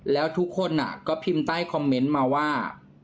แล้วทุกคนก็พิมพ์ใต้คอมเมนต์มาว่า